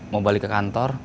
mau balik ke kantor